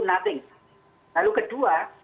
nothing lalu kedua